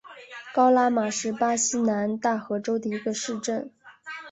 高拉马是巴西南大河州的一个市镇。